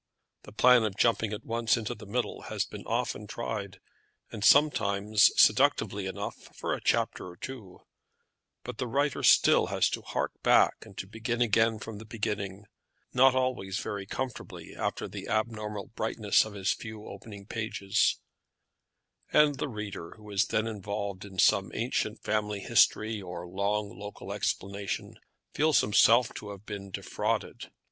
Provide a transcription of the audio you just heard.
The plan of jumping at once into the middle has been often tried, and sometimes seductively enough for a chapter or two; but the writer still has to hark back, and to begin again from the beginning, not always very comfortably after the abnormal brightness of his few opening pages; and the reader who is then involved in some ancient family history, or long local explanation, feels himself to have been defrauded.